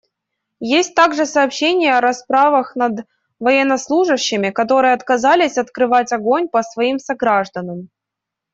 Есть также сообщения о расправах над военнослужащими, которые отказались открывать огонь по своим согражданам.